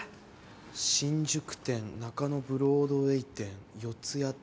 新宿店中野ブロードウェイ店四谷店。